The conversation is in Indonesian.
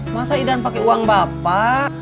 masa idan pakai uang bapak